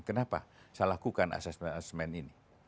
kenapa saya lakukan asesmen asesmen ini